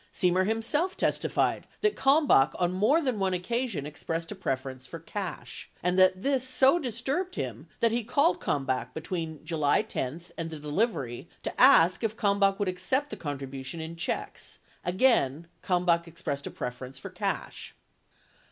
61 Semer himself testified that Kalmbach "on more than one occasion expressed a preference for cash," 62 and that this so disturbed him that he called Kalmbach between July 10 and the delivery to ask if Kalmbach would accept the contribution in checks ; again Kalmbach expressed a preference for cash.